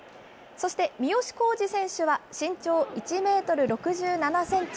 そして三好康児選手は、身長１メートル６７センチ。